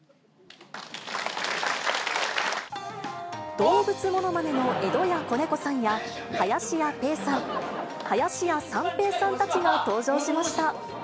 動物ものまねの江戸家小猫さんや林家ペーさん、林家三平さんたちが登場しました。